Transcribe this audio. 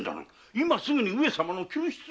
今すぐに上様の救出を。